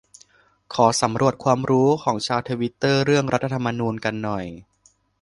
ขอสำรวจความรู้ ของชาวทวิตเตอร์เรื่อง รัฐธรรมนูญ กันหน่อย